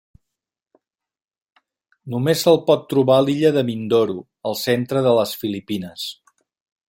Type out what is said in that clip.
Només se'l pot trobar a l'illa de Mindoro, al centre de les Filipines.